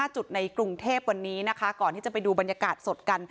จุดในกรุงเทพวันนี้นะคะก่อนที่จะไปดูบรรยากาศสดกัน